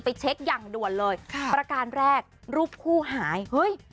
เช็คอย่างด่วนเลยค่ะประการแรกรูปคู่หายเฮ้ย